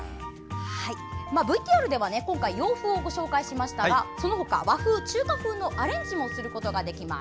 ＶＴＲでは洋風をご紹介しましたが和風、中華風のアレンジもすることができます。